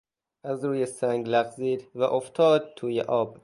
از روی سنگ لغزید و افتاد توی آب.